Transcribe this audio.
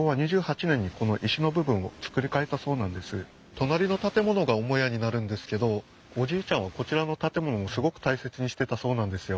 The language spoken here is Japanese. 隣の建物が母屋になるんですけどおじいちゃんはこちらの建物をすごく大切にしてたそうなんですよ。